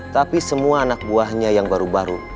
tapi semua anak buahnya yang baru baru